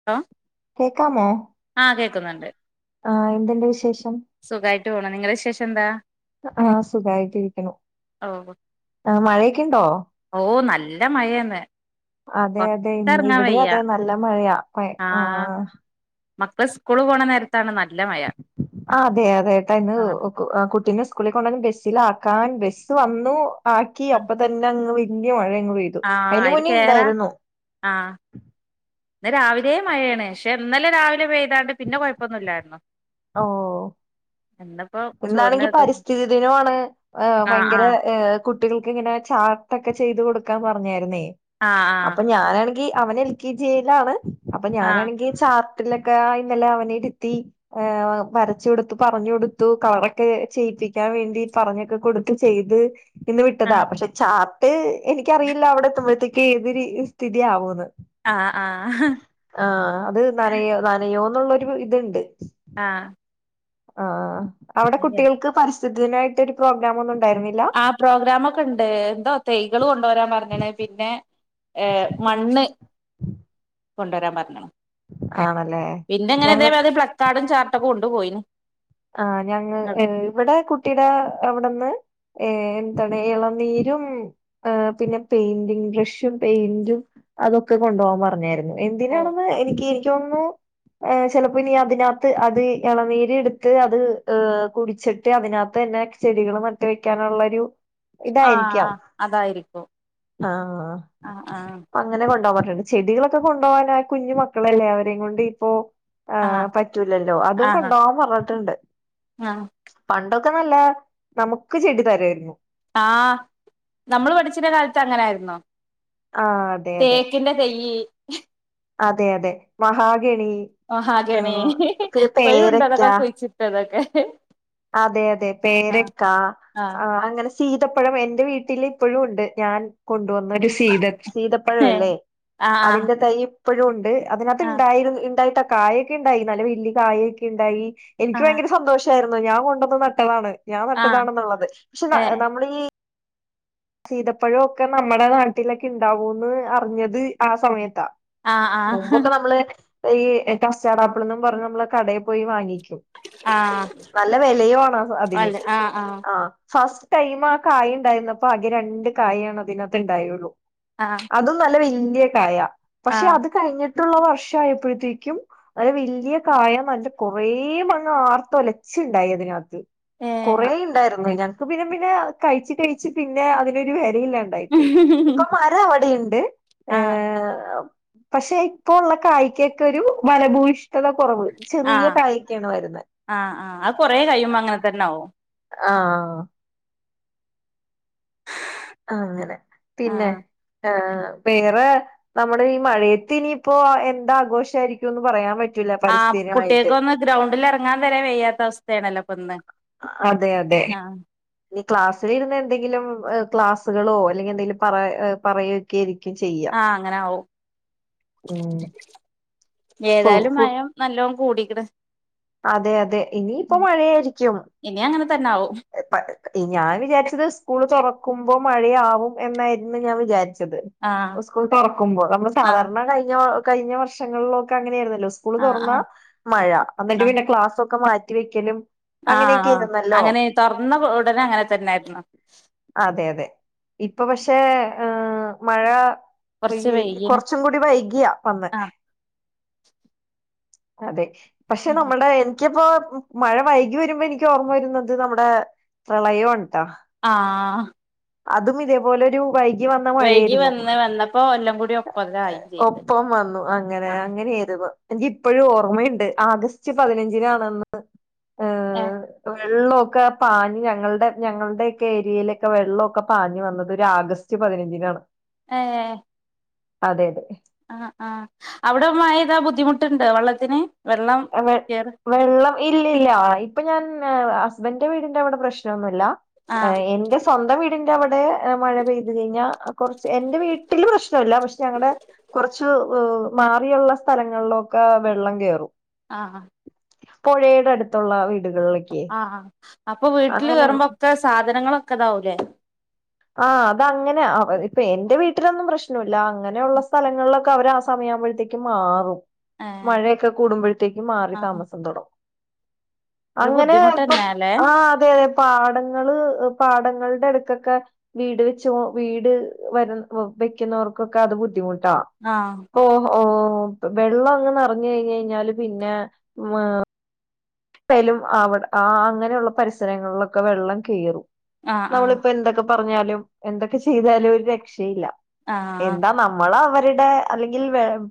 [inaudible] കേക്കാമോ ആ കേക്കുന്നൊണ്ട്. ആ എന്തൊണ്ട് വിശേഷം. സുഖായിട്ടുപോണു നിങ്ങടെ വിശേഷെന്താ ആ സുഖായിട്ടിരിക്കണു ഓ ആ മഴയെക്കൊണ്ടോ ഓ നല്ല മഴേന്ന്. അതെ അതെ ഇന്ന് ഇവിടേം അതെ നല്ല മഴയാ പ്പേ ആഹ് മക്കള് സ്കൂളീ പോണ നേരത്താണ് നല്ല മഴ ആ അതെ അതെ ഏട്ടൻ ഇന്ന് ആഹ് ആ കുട്ടീനെ സ്കൂളി കൊണ്ടൊന്ന് ബെസ്സിലാക്കാൻ ബെസ്സ് വന്നൂ. ആക്കി അപ്പത്തന്നങ്ങ് വെല്ല്യ മഴയങ്ങ് പെയ്തു ആഹ് അയ്ന് അയില് കേറാ മുന്നേയൊണ്ടായിരുന്നു. ആഹ്. ഇന്ന് രാവിലേ മഴയാണ് പക്ഷെ ഇന്നലെ രാവിലെ പെയ്താണ്ട് പിന്നെ കൊഴപ്പൊന്നില്ലായിരുന്നു. ഓ എന്തപ്പോ ഇന്നാണെങ്കി പരിസ്ഥിതി ദിനൂ ആണ് ആഹ് ഭയങ്കര ആഹ് ഏഹ് കുട്ടികൾക്കിങ്ങനെ ചാർട്ടൊക്കെ ചെയ്ത് കൊടുക്കാൻ പറഞ്ഞായിര്ന്നേ ആഹ് അപ്പൊ ഞാനാണെങ്കി അവന് കിജെയിലാണ് അപ്പൊ ആഹ് ഞാനാണെങ്കി ചാർ ട്ടിലൊക്കെ ഇന്നലെ അവനെ ഇരുത്തി ആഹ് വരച്ച് കൊടുത്ത് പറഞ്ഞ് കൊടു ത്തു കളറൊക്കെ ചെയ്യിപ്പിക്കാൻ വേണ്ടി പറഞ്ഞൊക്കെ കൊടുത്ത് ചെയ്ത് ഇന്ന് വിട്ടതാ ആഹ് പക്ഷെ ചാർട്ട് എനിക്കറിയില്ല അവിടെത്തുമ്പഴത്തേക്ക് ഏത് രീതി സ്ഥിതിയാവൂന്ന് ആഹ് ആഹ്. ആഹ് അത് നനയോ നനയോന്നുള്ളൊരു ഇത്ണ്ട്. ആഹ്. ആഹ് അവ്ടെ അങ്ങനെയാണ് കുട്ടികൾക്ക് പരിസ്ഥിതി ദിനായിട്ടൊര് പ്രോഗ്രാമൊന്നും ഉണ്ടായിര്ന്നില്ലാ? പ്രോഗ്രാമൊക്കെണ്ട് എന്തോ തെയ്കള് കൊണ്ടോരാൻ പറഞ്ഞ്ണ് പിന്നെ ഏഹ് മണ്ണ് കൊണ്ടോരാൻ പറ്ഞ്ഞ്ണ് ആണല്ലേ പിന്നെങ്ങനെ ഞങ്ങ ഇതേമാരി പ്ലക്കാടും ചാർട്ടൊക്കെ കൊണ്ട് പോയിന് ആഹ് ഞങ്ങ ഇങ്ങള് ഇവിടെ കുട്ടീടെ അവ്ടന്ന് ഏഹ് എന്താണ് ഇളനീരും ഏഹ് പിന്നെ പെയിന്റിംഗ് ബ്രഷും പെയിന്റും അതൊക്കെ കൊണ്ടോവാൻ പറഞ്ഞായിരുന്നു ഓ എന്തിനാണെന്ന് എനിക്ക് എനിക്ക് തോന്നുന്നു ചെലപ്പോ ഇനി അതിനാത്ത് അത് ഇളനീര് എട് ത്ത് അത് കുടിച്ചിട്ട് അതിനകത്ത് തന്നെ ചെടികൾ നട്ട് വെക്കാനുള്ളൊരു ഇതായിരിക്കാം ആഹ് അതായിരിക്കും ആഹ് ആഹ് ആഹ് അങ്ങനെ കൊണ്ടോവാൻ പറഞ്ഞ്ണ് ചെടികളൊക്കെ കൊണ്ടകാന് കുഞ്ഞു മക്കളല്ലേ അവരെ കൊണ്ട് ഇപ്പോ ആഹ് പറ്റൂലല്ലോ? അതും ആഹ് കൊണ്ടോവാൻ പറഞ്ഞിട്ടുണ്ട് ആഹ് പണ്ടൊക്കെ നല്ല നമുക്ക് ചെടി തരുവായിരുന്നു ആഹ് നമ്മള് പഠിച്ചിന്നെ കാലത്ത് അങ്ങനായിരുന്നു ആ അതെ അതെ തേക്കിന്റെ തൈയ് അതെ അതെ മഹാഗണി ആ മഹാഗണി പിന്നെ ഇപ്പഴുംണ്ട് പേരക്ക അതൊക്കെ കുഴിച്ചിട്ടതൊക്കെ അതെ അതെ ആഹ് പേരക്ക ആഹ് അങ്ങനെ സ സീതപ്പഴം എന്റെ വീട്ടില് ഇപ്പഴും ഒണ്ട് ഞാൻ കൊണ്ടുവന്നൊരു സീ ത സീതപ്പഴം ഹേ ഇല്ലേ ആഹ് അതിന്റെ തൈ ഇപ്പഴും ഒണ്ട് അതിനകത്ത് ആഹ് ഇണ്ടായിരുന്നു ഇണ്ടായിട്ട് കായൊക്കെണ്ടായി നല്ല വല്യ കായിക്കെണ്ടായി എനിക്ക് ആഹ് ഭയങ്കര സന്തോഷായിരുന്നു ഞാൻ കൊണ്ടുവന്ന് നട്ടതാണ് ഞാൻ ആഹ് നട്ടതാണെന്നുള്ളത് പക്ഷെ ഏഹ് നമ്മള് ഈ സീതപ്പഴവൊക്കെ നമ്മടെ നാട്ടിലൊക്കെ ഇണ്ടാവൂന്ന് അറിഞ്ഞത് ആ സമയത്താ ആഹ് മുമ്പൊക്കെ ആഹ് നമ്മള് ഈ കസ്റ്റാഡ് ആപ്പിള്ന്നും പറഞ്ഞുള്ള കടേ പോയി വാങ്ങിക്കും ആഹ് നല്ല വെലയും ആണ് അതിന് വല്ല ആഹ് ആഹ് ഫസ്റ്റ് ടൈം ആ കായി ഇണ്ടായിരുന്നപ്പൊ ആകെ രണ്ട് കായേണ് അതിനകത്ത് ഇണ്ടായൊള്ളു ആഹ് അതും നല്ല വല്ല്യ കായ പക്ഷെ ആഹ് അത് കഴിഞ്ഞിട്ടുള്ള വർഷ ആയപ്പഴത്തേക്കും വല്ല്യ കായ മാതിരിത്തെ കൊറേ എണ്ണം ആർത്തൊലച്ച്ണ്ടായി അതിനകത്ത് ഏഹ് കൊറേ ഇണ്ടായിരുന്നു ഞങ്ങക്ക് പിന്നെ പിന്നെ കഴിച്ച കഴിച്ച് പിന്നെ അതിനൊരു വെലയില്ലാണ്ട് ആയിപ്പോയി ഇപ്പം മരം അവിടെയുണ്ട് ആഹ് ഏഹ് പക്ഷെ ഇപ്പൊ ഒള്ള കായിക്കെക്കെ ഒരു ഫലഭൂ ഷ്ട്ടത കൊറവ് ചെറിയ ആഹ് കായിക്കാണ് വരുന്നത് ആഹ് ആഹ് അത് കൊറേ കഴിയുമ്പോ അങ്ങനെ തന്നാവും ആഹ് അങ്ങനെ പിന്നെ ആഹ് ആഹ്. വേറെ നമ്മുടെ ഈ മഴയത്തിനിയിപ്പോ എന്താഘോഷായിരിക്കുംന്ന് പറയാൻ പ റ്റൂല്ല. പരിസ്ഥിതിമായിട്ട്. ഗ്രൗണ്ടില് എറങ്ങാൻ വരെ വെയ്യാത്ത അവസ്ഥയാണല്ലോ ഇപ്പന്ന്. അതെ അതെ ഇനി ക്ലാസ്സില് ഇരുന്ന് എന്തെങ്കിലും ക്ലാസ്സുകളോ, അല്ലെങ്കി എന്തെങ്കിലും പറ പറയൊക്കെ ആയിരിക്കും ചെ ആ അങ്ങനാവും. ഉം ഫു ഏതായാലും ഫുഡ് മയം നല്ലോം കൂടിക്ക്ണ്. അതെ അതെ. ഇനിയിപ്പം ഉം മഴയായിരിക്കും. ഇനി അങ്ങനെ തന്നെ ആവും ഞാൻ വിചാരിച്ചത്. സ്കൂള് തൊറക്കുമ്പം മഴയാവും എന്നായിരുന്നു ഞാൻ വിചാരിച്ചത്. ആഹ് സ്കൂൾ തൊറക്കുമ്പം. നമ്മള് ആഹ് സാധാരണ കഴിഞ്ഞ കഴിഞ്ഞ വർഷങ്ങളിലൊക്കെ അങ്ങനെയ ആയിരുന്നല്ലൊ. സ്കൂള് ആഹ് തൊറന്ന ആഹ് മഴ. അന്നിട്ട് ആഹ് പിന്നെ ക്ലാസ്സൊക്കെ മാറ്റി വെക്കലും. അങ്ങനെയൊക്കെ ആഹ്. ആയിരുന്നല്ലോ അങ്ങനെ തൊറന്ന ഉടനെ അങ്ങനെ തന്നെയായിരുന്നു. അതെ. അതെ. ഇപ്പൊ പക്ഷെ മഴ കൊറച്ച് പെയ്യ വൈകീണ് കുറച്ചും കൂടി. വൈക്യ വന്നെ ആഹ് പക്ഷെ ആഹ് നമ്മ ക്ക്യ് ഇപ്പോ മഴ വൈകി വരുമ്പ എനിക്ക് ഓർമ്മ വരുന്നത് നമ്മുടെ പ്രളയോണ ട്ടോ. ആഹ് അതും ഇതേപോലെ ഒരു വൈയി കി വന്ന വൈകി മഴയേരുന്നു. വന്ന് വന്നപ്പോ എല്ലാം കൂടി ഒപ്പതായി ചെയ്ത് ഒപ്പം വന്നു അങ്ങനെ ആഹ് അങ്ങനെയിരുന്നു. എനിക്ക് ഇപ്പഴും ഓർമ്മയുണ്ട്. ആഗസ്റ്റ് പതിനഞ്ചിനാണെന്ന് ഹ് ഏഹ് വെള്ളൊക്കെ പാഞ്ഞ് ഞങ്ങളുടെ ഞങ്ങളുടെ ഒക്കെ ഏറ്റയിലൊക്കെ വെള്ളക്കെ.. ക്കെ പാഞ്ഞ് വന്നത് ഒരു ആഗസ്റ്റ് പതിനഞ്ചിനാണ്. ഏ അതെ അതെ. ആ ആ അവിടെമയ പെയ്ത് ബുദ്ധിമുട്ടുണ്ട് വെള്ളത്തിന് വെള്ളം വെ കേർ വെള്ളം ഇല്ലല്ല. ഇപ്പൊ ഞാൻ ഹസ്ബൻന്റെ വീടിന്റെ അവിടെ പ്രശ്നൊ. ന്നുല്ല ആഹ് എന്റെ സ്വന്തം വീടിന്റെ അവിടെ മഴ പെയ്തു കഴിഞ്ഞാ കുറച്ച് എന്റെ വീട്ടില് പ്രശ്നല്ല പക്ഷെ ഞങ്ങളുടെ.. കുറച്ച് മാറിയുള്ള സ്ഥലങ്ങളിലൊക്കെ വെള്ളം കേറും. ആഹ് പുഴയുടെ അടുത്തുള്ള വീടുകളിലൊക്കെ ആ അപ്പൊ വീട്ടിൽ അങ്ങനെയുള്ള കേയറുമ്പോക്കെ സാധനങ്ങളൊക്കെ ഇതാവൂലേ? ആഹ് അത് അങ്ങനെ. ഇപ്പൊ എന്റെ വീട്ടിലൊന്നും പ്രശ്നല്ല അങ്ങനെയുള്ള സ്ഥലങ്ങളിലൊക്കെ അവരാ ആ സമയാകുമ്പഴത്തേക്ക് മാറും. ഏഹ് മഴയൊക്കെ കൂടുമ്പഴ്ത്തേക്ക് മാറി ആഹ് താമസം തൊടങ്ങും ഒരു അങ്ങനെ. ഇപ്പം ബുദ്ധിമുട്ടെന്നേല്ലേ ആ അതെ അതെ പാഠങ്ങള് പാടങ്ങളുടെ അടുക്കൊക്കെ. വീട് വെച്ച് വീട് വര വെക്കുന്നവർക്കൊക്കെ അത് ബുദ്ധിമുട്ടാ. ആഹ് ഓ ഓ വെള്ളം അങ്ങെ നറഞ്ഞു കഴിഞ്ഞ് കഴിഞ്ഞാല് പിന്നെ മെ പെലും അവിടെ ആ അങ്ങനുള്ള പരിസരങ്ങളിലൊക്കെ വെള്ളം കേറി. ആഹ് ആഹ് നമ്മളിപ്പോ എന്തൊക്കെ പറഞ്ഞാലും എന്തൊക്കെ ചെയ്താലും ഒരു രക്ഷയില്ല ആഹ് എന്താ. നമ്മള് അവര്ടെ അല്ലെങ്കിൽ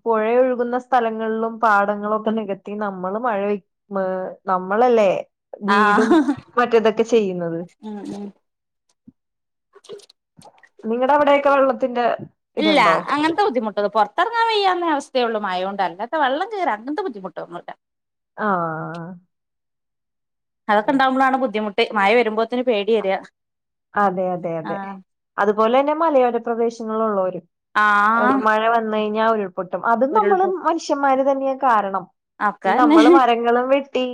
പുഴ ഒഴുകുന്ന സ്ഥലങ്ങളിലും പാടങ്ങളും ഒക്കെ നിക നമ്മള് മഴയെക്ക്ണ്. നമ്മളല്ലെ വീടും ആഹ് മറ്റെ ഇതൊക്കെ ചെയ്യുന്നത്. ഉം ഉം നിങ്ങളടെ അവിട്യാെക്കെ വെള്ളത്തിന്റെ ഇതുണ്ടോ? അങ്ങതെ ബുദ്ധിമുട്ടാ പുറത്തിറങ്ങാൻ വയ്യാന്ന അവസ്ഥയുള്ള മയോണ്ട്ല്ലാത്ത വെള്ളം കേറ അങ്ങത്തെ ബുദ്ധിമുട്ടൊന്നുല്ല ആഹ് ആഹ് ആഹ് അതൊക്കെണ്ടകുമ്പളാണ് ബുദ്ധമുട്ട് മഴ വരുമ്പോത്തിന് പേടി വെര അതെ അതെ അതെ അതുപോലെ തന്നെ മലയോര പ്രദേശങ്ങളിലുള്ളവരും ആഹ് മഴ വ വന്ന കഴിഞ്ഞാൽ ഉൾപൊട്ടും അത് നമ്മള് ഉരുൾപൊ മനുഷ്യന്മാര് തന്നെയാ കാരണം. ഈ ഒക്കെന്നെ നമ്മള് മരങ്ങളും വെട്ടി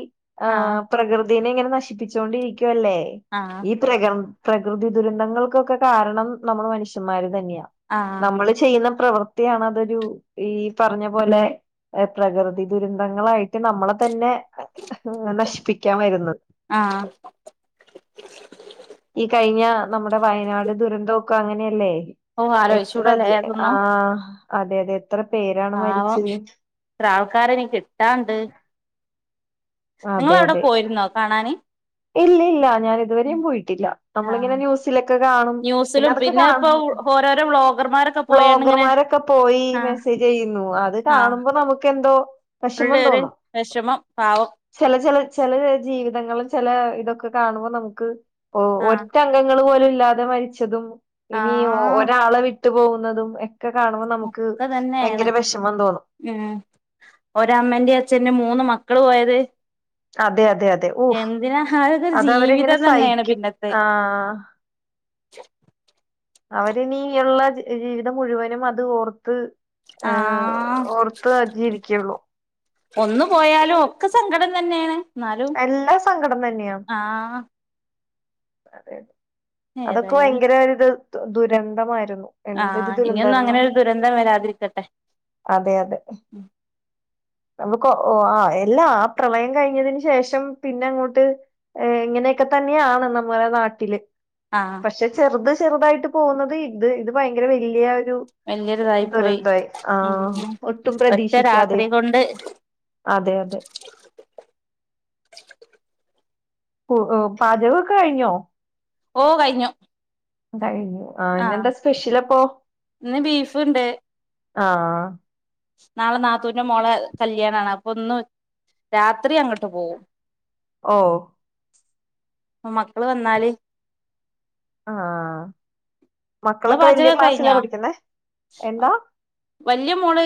ആ ആഹ് പ്രകൃതിനെ ഇങ്ങനെ നശിപ്പിച്ച് ക്കൊണ്ടിരിക്കുവല്ലേ ആഹ് പ്രകം പ്രകൃതി ദുരന്തങ്ങൾക്കൊക്കെ കാരണം നമ്മൾ മനുഷ്യന്മാര് തന്നെയാ ആഹ് നമ്മൾ. ചെയ്യുന്ന പ്രവൃത്തിയാണ് അതൊരു ഈ പറഞ്ഞ പോലെ ഏഹ് പ്രകൃതി ദുരന്തങ്ങളായിട്ട് നമ്മളെ തന്നെ നശിപ്പിക്കാൻ വരുന്നത്.. ആഹ് ഈ കഴിഞ്ഞ നമ്മുടെ വയനാട് ദുരന്തൊക്ക അങ്ങനെയല്ലേ ഓഹ് എത്ര ആലോയിച്ചൂടല്ലേ ആ അതൊന്നും അതെ അതെ എത്ര പേരാണ് പാവം മരിച്ചത് ഇത്ര ആൾക്കാരനി കിട്ടാണ്ട് നിങ്ങൾ അതെ അവിടെ അതെ പോയിരുന്നോ കാണാന്? ഇല്ല ഇല്ല ഞാൻ ഇതുവരെയും പോയിട്ടില്ല ആഹ് നമ്മളിങ്ങനെ ന്യൂസിലൊക്കെ കാണും പിന്നെ ന്യൂസിലും അതൊക്കെ കാണ ഇപ്പൊ ഓരോരോ വ്ളോഗർമാരൊക്കെ പോയാണ്ട് ഇങ്ങനെ ബ്ലോഗർമാരൊക്കെ പോയി ആ മെസ്സേജ് ചെയ്യുന്നു അത് കാണുമ്പോ നമുക്ക് എന്തോ.. പിള്ളേര് വിഷമം പാവം ചില ചില ചില ജീവിതങ്ങളും ചില ഇതൊക്കെ കാണുമ്പോൾ നമുക്ക് ഒ ആ ഒറ്റ. അങ്കങ്ങൾ പോലും ഇല്ലാതെ മരിച്ചതും ആ ഇനി ഒരാള് വിട്ടു പോകുന്നതും ഒക്കെ കാണുമ്പോ നമുക്ക് ഒക്കെ തന്നെയാണ് ഭയങ്കര വിഷമം തോന്നും ഉം ഒരമ്മന്റെയും അച്ഛന്റെ മൂന്ന് മക്കള് പോയത് അതെ അതെ അതെ ഊഹ് എന്തിന ആ ഒരു അതവരിങ്ങനെ ജീവിതം തന്നെയാണ് സഹിക്കും. പിന്നെത്തെ ആഹ് ആഹ് അവരിനിയുള്ള ജീവിതം മുഴുവനും അത് ഓർത്ത് ആ ഓർത്ത് ജീവിക്കുള്ളൂ ഒന്നു പോയാലും ഒക്കെ സങ്കടം തന്നെയാണ്, എന്നാലും എല്ലാ സങ്കടം ആഹ് അതെ, അതൊക്കെ ഏതായാലും ഭയങ്കര ഒരുത് ദുരന്തമായിരുന്നു. എന്തൊരു ആഹ് ഇനിയൊന്നും ദുരന്തായിരുന്നു അങ്ങനെ ഒരു ദുരന്തം വരാതിരിക്കട്ടെ. അതെ അതെ നമുക്ക് ഓ ആ എല്ലാ, ആ പ്രളയം കഴിഞ്ഞതിന് ശേഷം പിന്നെ അങ്ങോട്ട് ഏഹ് ഇങ്ങനെയൊക്കെ തന്നെയാണ് നമ്മുടെ നാട്ടില് ആഹ് പക്ഷേ ചെറുത് ചെറുതായിട്ട് പോകുന്നത്. ഇത്, ഇത് ഭയങ്കര വലിയ ഒരു വലിയൊരിതായി പോയി ദുരന്തായി. ആ ഉം ഒട്ടും ഒറ്റ പ്രതീക്ഷിക്കാതെ രാത്രി കൊണ്ട് അതെ അതെ ഓഹ് ഓഹ് പാചകമൊക്കെ കഴിഞ്ഞോ ഓഹ് കഴിഞ്ഞു കഴിഞ്ഞു. ആ ഇന്നെന്താ സ്പെഷ്യൽ അപ്പൊ. ഇന്ന് ബീഫ്ണ്ട് ആഹ് നാളെ നാത്തൂന്റെ മോളെ കല്യാണമാണ്. അപ്പൊ ഇന്ന് രാത്രി അങ്ങോട്ട് പോവും ഓഹ് മക്കള് വന്നാല് ആഹ് നിങ്ങളെ മക്കളൊക്കെ വെല്യ പാചകൊക്കെ ക്ലാസ്സിലാ കഴിഞ്ഞോ പഠിക്കുന്നെ എന്താ. വല്ല്യ മോള്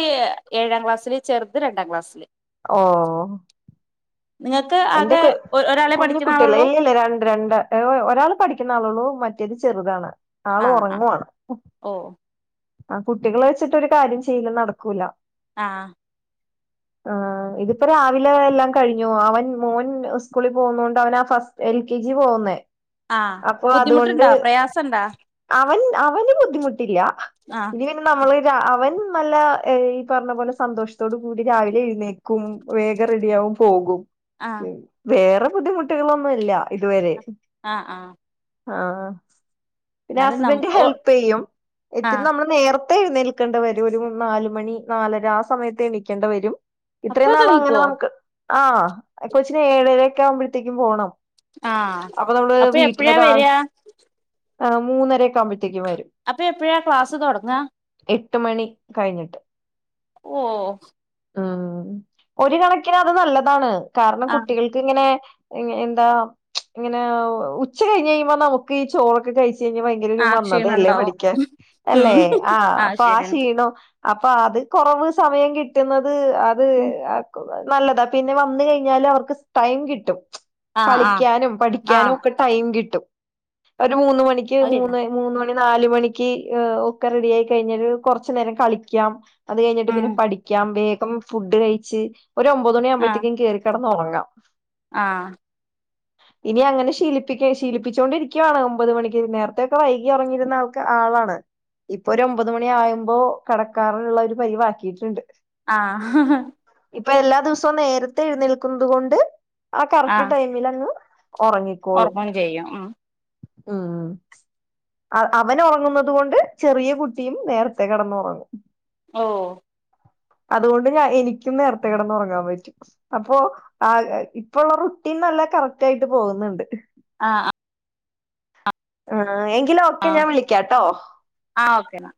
ഏഴാം ക്ലാസ്സില് ചെർത് രണ്ടാം ക്ലാസ്സില്. ഓ ഹ് നിങ്ങൾക്ക് എന്റെ ആകെ ക് ഒരാളെ പഠിക്കുന്ന കുഞ്കുട്ടികളാ ആളുള്ളൂ ഇല്ലല്ല രണ്ട് രണ്ടാ ഓ ഒരാള് പഠിക്ക്‌ണ ആളൊള്ളൂ മറ്റേത് ചെറ്താണ്. അ ആ ഓ അ കുട്ടികളെ വെച്ചിട്ട് ഒരു കാര്യം ചെയ്യല് നടക്കൂല. ആഹ് [inaudible] ആ ഇതിപ്പരാവിലെ എല്ലാം കഴിഞ്ഞു അവൻ മോൻ സ്കൂളിൽ പോകുന്നോണ്ട് അവൻ ആ ഫസ്റ്റ്- എൽ കെ ജി പോവുന്നേ. ആ ബുദ്ധിമുട്ട്ണ്ടാ പ്രയാസ്ണ്ടാ? അവൻ അവന് ബുദ്ധിമുട്ടില്ല ആ പിനെ ന്നമ്മ്ള് രാ അവൻ നല്ല ഈ പറഞ്ഞ പോലെ സന്തോശ്ത്തോടുകൂടി രാവിലെ എഴ്‌ന്നേൽ- ക്കും വേഗം റെഡിയാവും പോകും. ആ വേറെ ബുദ്ധിമുട്ടുകളൊന്നുംല്ല ഇതുവെരേം. അ ആ ആ പിനെ എന്നാലും ന ഹസ്ബൻഡ് ഹെൽപ്പെയ്യും. ആ ന്നമ്മള് ന്നേർത്തെ എഴുന്നേൽക്കണ്ട വരും ഒരു നാല് മണി നാലെര ആ സമയത്ത് എണിക്കേണ്ട വെരും. ഇത്രയും അപ്പൊക്കെ നാളും അങ്ങനെ നീക്കോ ന്നമ്ക്ക് ആ കൊച്ചിന് ഏഴെരെക്കെ ആവുമ്പഴ്‌ത്തേക്കും പോണം. ആ അപ്പൊ നമ്മള് എപ്പഴാ വരിക വീട്ടിലെരാവിലെ എ മൂന്നരൊക്കെ ആവുമ്പഴ്‌ത്തേക്കും വരും. അപ്പൊ എപ്പഴാ ക്ലാസ് തൊടങ്ങാ എട്ട് മണി കഴിഞ്ഞിട്ട്. ഒ ഓ ആ ഒരു കണക്കിന് അത് നല്ലതാണ് കാരണം ആ കുട്ടികൾക്ക്. ഇങ്ങെനെ, ഇങ്ങനെ എന്താ. ഇങ്ങനെ ഉച്ച കഴിഞ്ഞയ്യുമ്പൊ നമുക്ക് ഈ ചോറൊക്കെ കഴിച്ചയ്ഞ് ഭയങ്കരൊ രു ആ മന്ദത ക്ഷീണം അല്ലേ ഉണ്ടാവും പഠിക്കാൻ. ഉം അല്ലേ ആഹ് അപ്പൊ ആ ക്ഷീണോം അപ്പഅത് കൊറവ് സമയം കിട്ട്- കിട്ടുന്നത് അത് അതൊക്കെ നല്ലതാ പിനെ വന്ന് കഴിഞ്ഞാലും അവർക്ക് സ് ടൈം കിട്ടും. ആ ആ കളിക്കാനും പഠിക്കാനും ആഹ് ഒക്കെ ടൈം കിട്ടും ഒരു മൂന്ന് മണിക്ക് മൂന്ന് മൂന്ന്മണി നാലുമണിക്ക് ഏ ഒക്കെ റെഡിയായി കഴിഞ്ഞാല് കൊറച്ച് ന്നേരം കളിക്കാം. അതുകഴിഞ്ഞിട്ട് ഉം പിന്നെ പഠിക്കാം വേഗം ഫുഡ്കഴിച്ച് ഒരു ഒമ്പതു മണിയാവുമ്പഴ്‌ ആഹ് ത്തേക്കും കേറി- കെടന്നൊറങ്ങാം. ആഹ് ഇനിയങ്ങനെ ശീലിപ്പിക്കെ ശീലിപ്പിച്ചോണ്ടിരിക്കുവാണ് ഒമ്പതു മണിക്ക് ന്നേർത്തൊക്കെ വൈകിഉറങ്ങിയിരുന്ന ആൾ- ആളാണ് ഇപ്പൊ ഒരു ഒമ്പതുമണിയാവുമ്പോ കെടക്കാറുള്ളൊരു പരിവാക്കിയിട്ട്ണ്ട്. ആ ഹ് ഹ് ഹ് ഇപ്പയെല്ലാ ദിവസവും നേരത്തെ എഴ്ന്നേൽക്കുന്നതു കൊണ്ട് ആ കറക്റ്റ് ടൈമി- മിലങ് ഒറങ്ങി- ഒറങ്ങും ചെയ്യും ഉം ഉം അവനൊറങ്ങുന്നതു കൊണ്ട് ചെറിയ കുട്ടിയും ന്നേരെത്തെകെടന്നുറങ്ങും. ഓ അതുകൊണ്ട് ഞ എനിക്കും ന്നേർത്തെ കെടന്നുറങ്ങാൻ പറ്റും. അപ്പോ ആഹ് ഇപ്പോ ഉള്ള റൊട്ടീൻ നല്ല കറക്റ്റായിട്ടു പോകുന്നെണ്ട് ആഹ് അ ആഹ് എങ്കില് ഓക്കെ ആഹ് ഞാൻ വിളിക്കാട്ടോ ആഹ് ഓക്കേന്നാ